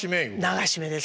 流し目ですね。